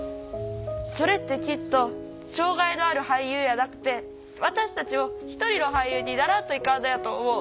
それってきっと障害のある俳優やなくて私たちも一人の俳優にならんといかんのやと思う。